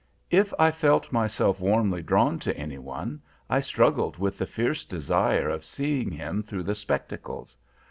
If I felt myself warmly drawn to any one I struggled with the fierce desire of seeing him through the spectacles.